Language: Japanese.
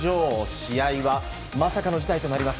試合はまさかの事態となります。